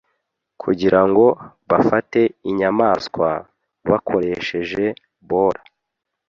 Kugirango bafate inyamaswa, bakoresheje bola.